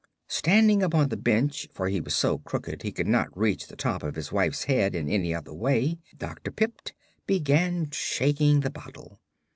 Standing upon the bench, for he was so crooked he could not reach the top of his wife's head in any other way, Dr. Pipt began shaking the bottle.